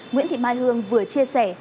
nguyễn thị mai hương vừa chia sẻ